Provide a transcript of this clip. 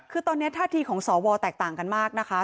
คือตอนนี้ท่าทีของสวแตกต่างกันมากนะคะ